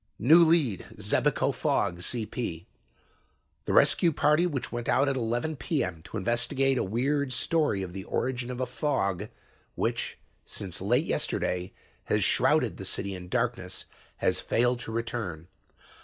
"New Lead Xebico Fog CP "The rescue party which went out at 11 P.M. to investigate a weird story of the origin of a fog which, since late yesterday, has shrouded the city in darkness has failed to return.